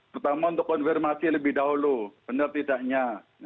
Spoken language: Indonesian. pertama untuk konfirmasi lebih dahulu benar tidaknya